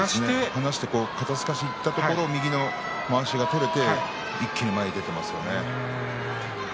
離して肩すかしにいったところを右のまわしが取れて一気に前に出たんですね。